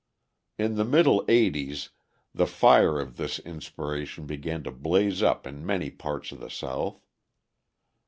In the middle eighties the fire of this inspiration began to blaze up in many parts of the South.